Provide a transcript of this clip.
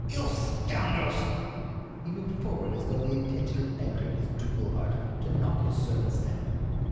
"You scoundrels!" He moved forward as though the intention had entered his ducal heart to knock his servants down.